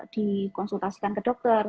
dikonsultasikan ke dokter